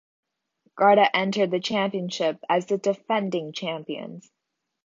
Garda entered the championship as the defending champions.